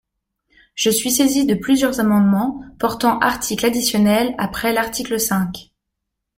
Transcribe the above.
Je suis saisi de plusieurs amendements portant articles additionnels après l’article cinq.